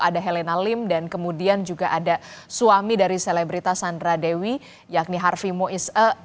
ada helena lim dan kemudian juga ada suami dari selebritas sandra dewi yakni harvimo is